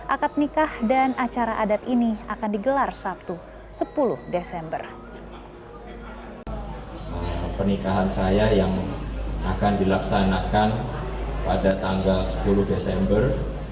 akad nikah dan acara adat ini akan digelar sabtu sepuluh desember